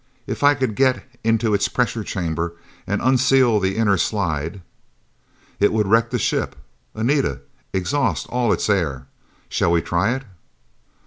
If I could get into its pressure chamber and unseal the inner slide.... "It would wreck the ship, Anita: exhaust all its air. Shall we try it?"